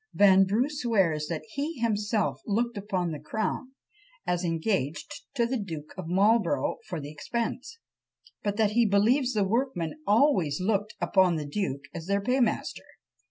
Vanbrugh swears that "He himself looked upon the crown, as engaged to the Duke of Marlborough for the expense; but that he believes the workmen always looked upon the duke as their paymaster."